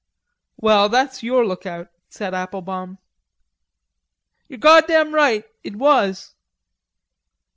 "Well, that's your look out," said Applebaum. "You're goddam right, it was."